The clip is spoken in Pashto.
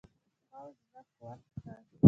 پوځ زړه قوت کړ.